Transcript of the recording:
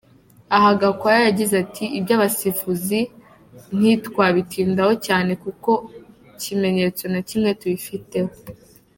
Aha Gwakaya yagize ati : "Iby’abasifuzi ntitwabitindaho cyane, kuko kimenyetso na kimwe tubifitiye.